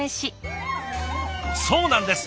そうなんです！